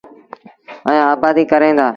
ائيٚݩ آبآديٚ ڪريݩ دآ۔